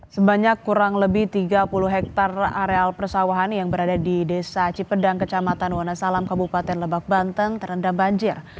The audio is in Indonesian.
sebanyak kurang lebih tiga puluh hektare areal persawahan yang berada di desa cipedang kecamatan wonosalam kabupaten lebak banten terendam banjir